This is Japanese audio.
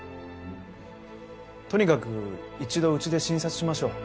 とにかく一度うちで診察しましょう。